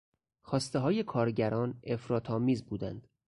خواستههای کارگران افراط آمیز بودند.